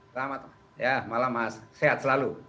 selamat ya malam sehat selalu